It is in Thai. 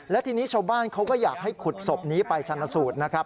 และทีนี้ชาวบ้านเขาก็อยากให้ขุดศพนี้ไปชันสูตรนะครับ